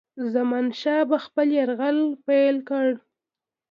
زمانشاه به خپل یرغل پیل کړي.